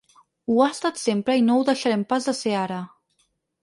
Ho ha estat sempre i no ho deixarem pas de ser ara.